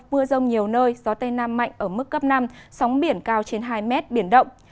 mưa rông nhiều nơi gió tây nam mạnh ở mức cấp năm sóng biển cao trên hai mét biển động